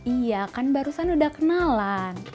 iya kan barusan udah kenalan